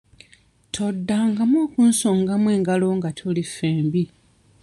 Toddangamu onkusongamu engalo nga tuli ffembi.